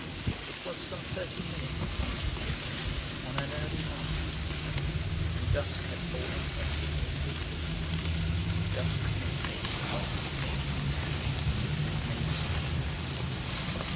It was some thirty minutes past six on an early March evening, and dusk had fallen heavily over the scene, dusk mitigated by some faint moonlight and many street lamps.